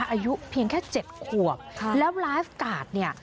อายุเพียงแค่๗ขวบแล้วไลฟ์การ์ดเนี่ย